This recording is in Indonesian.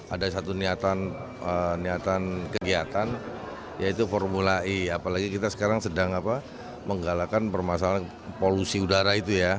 ada satu niatan kegiatan yaitu formula e apalagi kita sekarang sedang menggalakan permasalahan polusi udara itu ya